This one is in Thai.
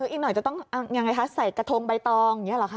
อีกหน่อยจะต้องเอายังไงคะใส่กระทงใบตองอย่างนี้หรอคะ